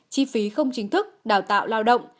chi phí không chính thức đào tạo lao động